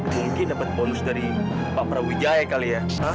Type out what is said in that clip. mungkin dapat bonus dari pak prabu wijaya kali ya